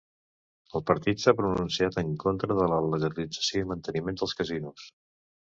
El partit s'ha pronunciat en contra de la legalització i manteniment dels casinos.